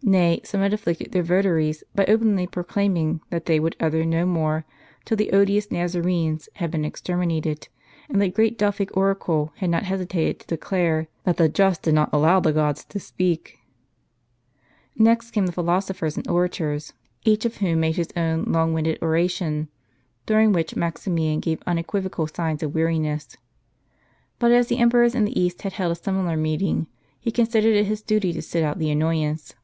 Nay, some had afflicted their votaries by openly proclaiming, that they would utter no more, till the odious Nazarenes had been exterminated ; and the great Delphic oracle had not hesitated to declare, "that the Just did not allow the gods to speak." Next came the philosophers and orators, each of whom * Inscription on the front, and medals, of the Lateran Basilica. made his own long winded oration; during which Maximian gave unequivocal signs of weariness. But as the Emperors in the East had held a similar meeting, he considered it his duty to sit out the annoyance.